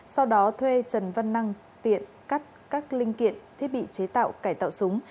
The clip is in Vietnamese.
sau đó thuê trần văn năng tiện cắt các linh kiện thiết bị chế tạo cải tạo súng